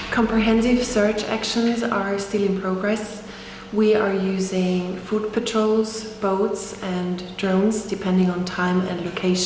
kami menggunakan petroli makanan bot dan drone bergantung pada waktu dan lokasi